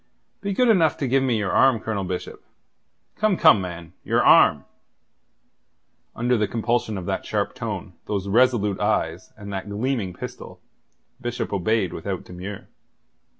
"Be good enough to give me your arm, Colonel Bishop. Come, come, man, your arm." Under the compulsion of that sharp tone, those resolute eyes, and that gleaming pistol, Bishop obeyed without demur.